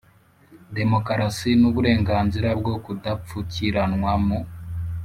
demokarasi n'uburenganzira bwo kudapfukiranwa mu